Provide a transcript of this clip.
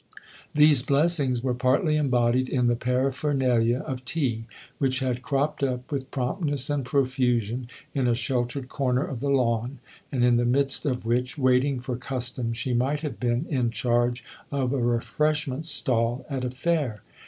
These blessings were partly embodied in the paraphernalia of tea, which had cropped up, with promptness and profusion, in a sheltered corner of the lawn and in the midst of which, waiting for custom, she might have been in charge of a refreshment stall at a fair.